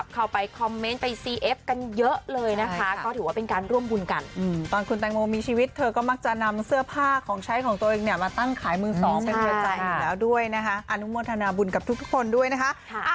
ใช้ของตัวเองเนี่ยมาตั้งขายมือสองเป็นเวียดใจแล้วด้วยนะคะอนุโมทนาบุญกับทุกคนด้วยนะคะ